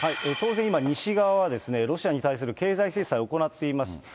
当然、今、西側はロシアに対する経済制裁を行っています。